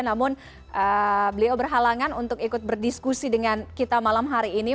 namun beliau berhalangan untuk ikut berdiskusi dengan kita malam hari ini